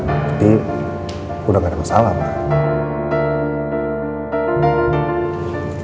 jadi udah nggak ada masalah pak